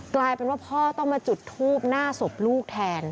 กลายเป็นว่าพ่อต้องมาจุดทูบหน้าศพลูกแทน